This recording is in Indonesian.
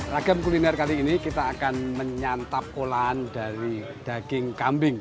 ragam kuliner kali ini kita akan menyantap olahan dari daging kambing